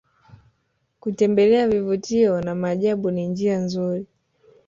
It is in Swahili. kutembelea vivutio na maajabu ni njia nzuri